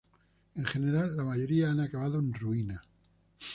En general, la mayoría han acabado en ruina.